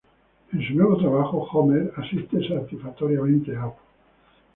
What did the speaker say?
En su nuevo trabajo, Homer asiste satisfactoriamente a Apu.